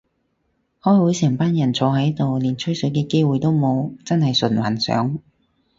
開會成班人坐喺度連水吹嘅機會都冇，真係純幻想